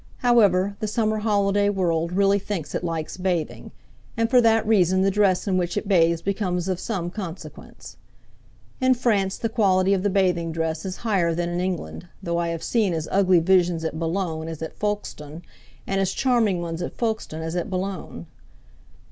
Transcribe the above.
However, the summer holiday world really thinks it likes bathing, and for that reason the dress in which it bathes becomes of some consequence. In France the quality of the bathing dress is higher than in England, though I have seen as ugly visions at Boulogne as at Folkestone, and as charming ones at Folkestone as at Boulogne.